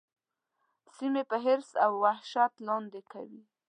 سیمې په حرص او وحشت لاندي کوي.